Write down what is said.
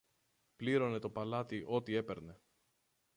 πλήρωνε το παλάτι ό,τι έπαιρνε.